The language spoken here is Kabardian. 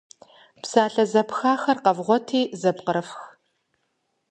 Псалъэ зэпхахэр къэвгъуэти зэпкърыфх.